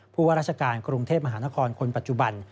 ว่าราชการกรุงเทพมหานครคนปัจจุบัน